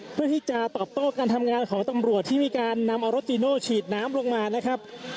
เพื่อที่จะตอบโต้การทำงานของตำรวจที่มีการนำเอารถจีโน่ฉีดน้ำลงมานะครับ